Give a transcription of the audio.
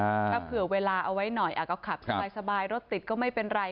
ถ้าเผื่อเวลาเอาไว้หน่อยก็ขับสบายรถติดก็ไม่เป็นไร